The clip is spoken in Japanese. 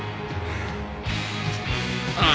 ああ。